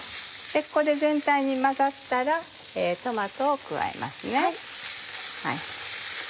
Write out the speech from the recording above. ここで全体に混ざったらトマトを加えますね。